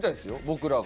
僕らが。